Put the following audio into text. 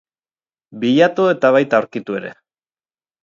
Bilatu eta baita aurkitu ere.